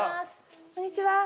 こんにちは。